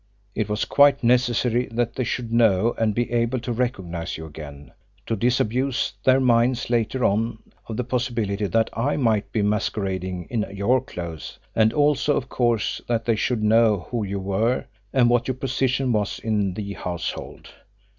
It was quite necessary that they should know and be able to recognise you again to disabuse their minds later on of the possibility that I might be masquerading in your clothes; and also, of course, that they should know who you were, and what your position was in the household.